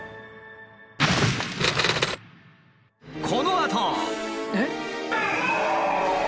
このあと。